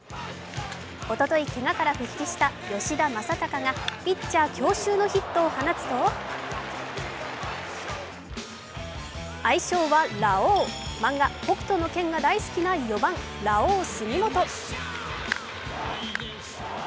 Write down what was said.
おととい、けがから復帰した吉田正尚がピッチャー強襲のヒットを放つと愛称はラオウ、漫画「北斗の拳」が大好きな４番、ラオウ・杉本。